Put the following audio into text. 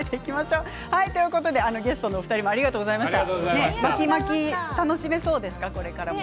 ゲストのお二人もありがとうございました。